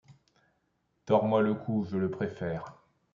Tords-moi le cou, je le préfère.